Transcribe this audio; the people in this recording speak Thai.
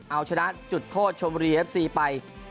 เอาชนะจุดโทษชมบุรีเอฟซีไป